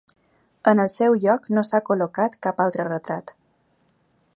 En el seu lloc no s’ha col·locat cap altre retrat.